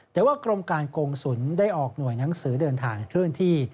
แต่ว่ากรมการกงศุลได้ออกหน่วยหนังสือเดินทางเคลื่อนที่